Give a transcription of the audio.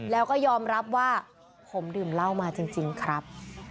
แล้วก็ยอมรับว่าผมดื่มเหล้ามาจริงครับ